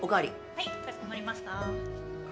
・はいかしこまりました。